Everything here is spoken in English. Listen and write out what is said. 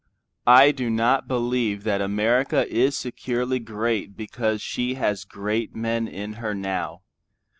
I do not believe that America is securely great because she has great men in her now.